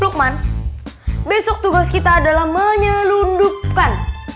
lukman besok tugas kita adalah menyelundupkan